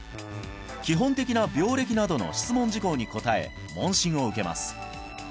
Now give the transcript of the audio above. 基本的な病歴などの質問事項に答え問診を受けます